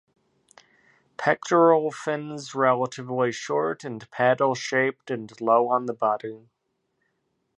Pectoral fins relatively short and paddle shaped and low on the body.